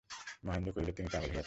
মহেন্দ্র কহিল, তুমি পাগল হইয়াছ?